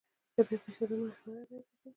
د بیا پیښیدو مخنیوی باید وشي.